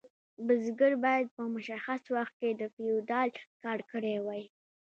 بزګر باید په مشخص وخت کې د فیوډال کار کړی وای.